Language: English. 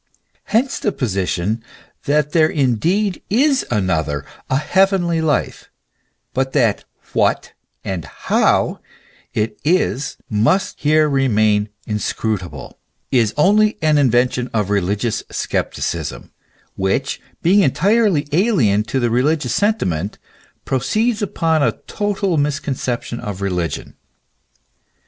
Hence the position that there indeed is another, a heavenly life, but that what and how it is must here remain inscrutable, is only an invention of re ligious scepticism which, being entirely alien to the religious sentiment, proceeds upon a total misconception of religion.